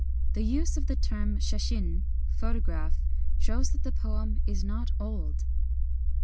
The use of the term shashin, photograph, shows that the poem is not old.